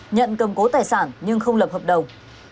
nhận cầm cố tài sản nhưng không lập hợp đồng